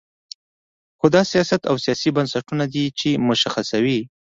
خو دا سیاست او سیاسي بنسټونه دي چې مشخصوي.